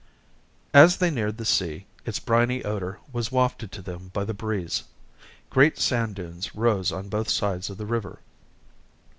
As they neared the sea, its briny odor was wafted to them by the breeze. Great sand dunes rose on both sides of the river.